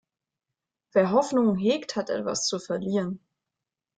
Wer Hoffnungen hegt, hat etwas zu verlieren.